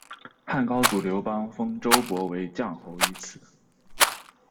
汉高祖刘邦封周勃为绛侯于此。